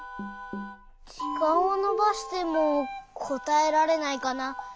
じかんをのばしてもこたえられないかな。